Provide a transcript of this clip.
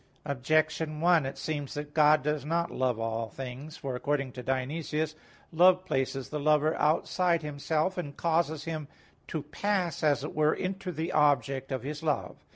Objection 1: It seems that God does not love all things. For according to Dionysius (Div. Nom. iv, 1), love places the lover outside himself, and causes him to pass, as it were, into the object of his love.